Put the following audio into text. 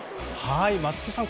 松木さん